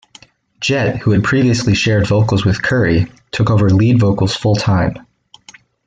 Jett, who had previously shared vocals with Currie, took over lead vocals full-time.